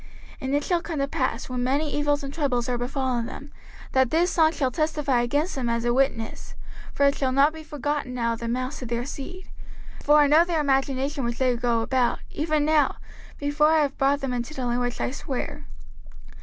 05:031:021 And it shall come to pass, when many evils and troubles are befallen them, that this song shall testify against them as a witness; for it shall not be forgotten out of the mouths of their seed: for I know their imagination which they go about, even now, before I have brought them into the land which I sware.